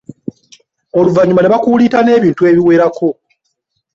Oluvannyuma ne bakuliita n'ebintu ebiwerako.